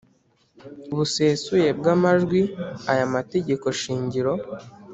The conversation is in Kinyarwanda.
busesuye bw amajwi aya mategeko shingiro